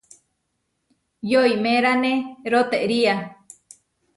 Yoimeráne rotería.